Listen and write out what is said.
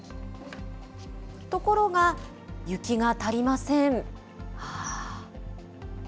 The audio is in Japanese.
ところが、雪が足りません。